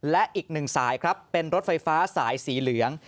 และอีกหนึ่งสายครับเป็นรถไฟฟ้าสายสีเหลือง